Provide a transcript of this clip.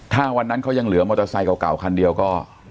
ถ้าวันนั้นเขายังเหลือมอเตอร์ไซค์เก่าคันเดียวก็